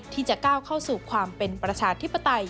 ที่จะก้าวเข้าสู่ความเป็นประชาธิปไตย